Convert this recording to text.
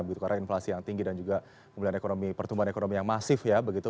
begitu karena inflasi yang tinggi dan juga pertumbuhan ekonomi yang masif ya begitu